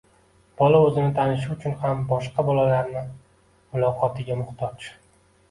Bola o‘zini tanishi uchun ham boshqa bolalarning muloqotiga mujtoj.